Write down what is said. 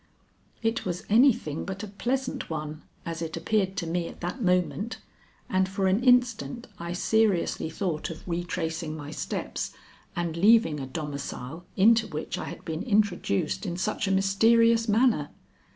It was anything but a pleasant one as it appeared to me at that moment, and for an instant I seriously thought of retracing my steps and leaving a domicile into which I had been introduced in such a mysterious manner.